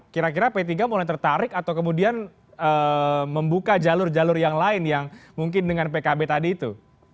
kira kira p tiga mulai tertarik atau kemudian membuka jalur jalur yang lain yang mungkin dengan pkb tadi itu